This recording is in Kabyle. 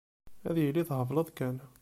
Ad yili thebleḍ kan.